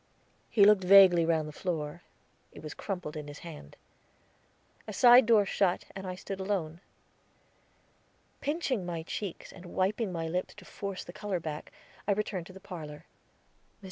He looked vaguely round the floor, it was crumpled in his hand. A side door shut, and I stood alone. Pinching my cheeks and wiping my lips to force the color back, I returned to the parlor. Mr.